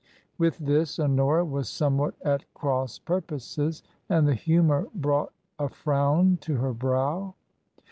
With this Honora was somewhat at cross purposes, and the humour brought a frown to her brow.